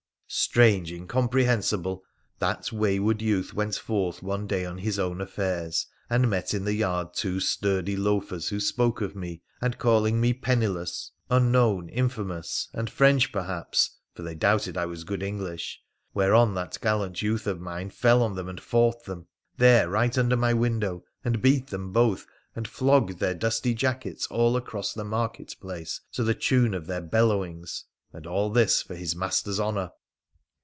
Strange, incomprehensible ! that wayward youth went forth one day on his own affairs, and met in the yard two sturdy loafers who spoke of me, and calling me penniless, unknown, infamous — and French, perhaps — for they doubted I was good English — whereon that gallant youth of mine fell on them and fought them — there right under my window — and beat them both, and flogged their dusty jackets all across the market place to the tune of their bellowings, and all this for his master's honour